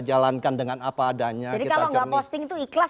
jadi kalau tidak posting itu ikhlas